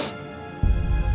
aku ingin ketemu dengan dia